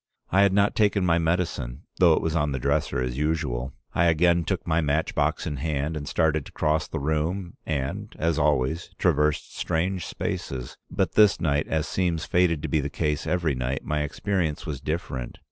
I had not taken my medicine, though it was on the dresser as usual. I again took my match box in hand and started to cross the room, and, as always, traversed strange spaces, but this night, as seems fated to be the case every night, my experience was different.